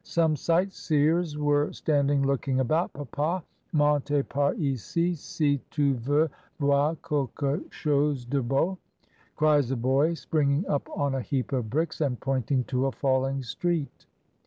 Some sight seers were standing looking about. ^^Papa^ monte par ici^ si tu veux voir quelque chose de beau, cries a boy, springing up on a heap of bricks, and point ing to a falling street.